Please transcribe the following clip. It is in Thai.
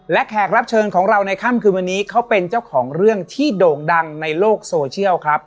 และแขกรับเชิญของเราในค่ำคืนวันนี้เขาเป็นเจ้าของเรื่องที่โด่งดังในโลกโซเชียลครับ